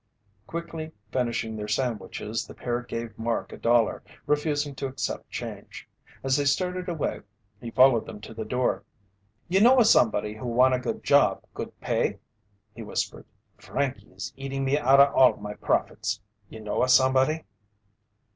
Quickly finishing their sandwiches, the pair gave Mark a dollar, refusing to accept change. As they started away, he followed them to the door. "You know a somebody who wanta good job, good pay?" he whispered. "Frankey is eating me outta all my profits. You know a somebody?"